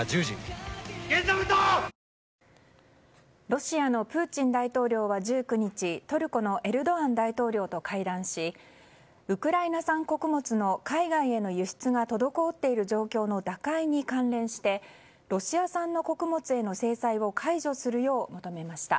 ロシアのプーチン大統領は１９日トルコのエルドアン大統領と会談しウクライナ産穀物の海外への輸出が滞っている状況の打開に関連してロシア産の穀物への制裁を解除するよう求めました。